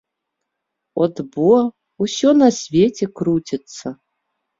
От бо ўсё на свеце круціцца.